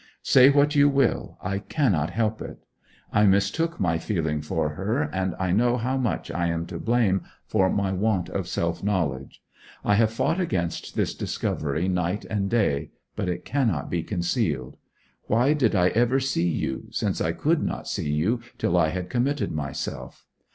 Say what you will I cannot help it. I mistook my feeling for her, and I know how much I am to blame for my want of self knowledge. I have fought against this discovery night and day; but it cannot be concealed. Why did I ever see you, since I could not see you till I had committed myself?